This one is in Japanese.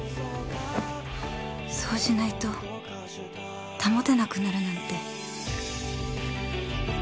そうしないと保てなくなるなんて